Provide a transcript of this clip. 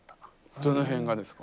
どの辺がですか？